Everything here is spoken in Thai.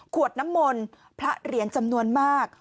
ขวดน้ำมนต์พระเหรียญจำนวนมาก